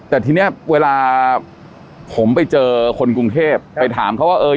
แต่ทีนี้เวลาผมไปเจอคนกรุงเทพไปถามเขาว่าเออ